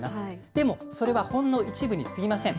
でもそれはほんの一部にすぎません。